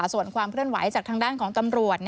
ส่วนความเคลื่อนไหวจากทางด้านของตำรวจ